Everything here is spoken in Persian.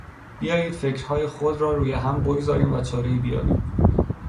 بیایید فکرهای خود را روی هم بگذاریم و چارهای بیابیم.